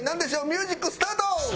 ミュージックスタート！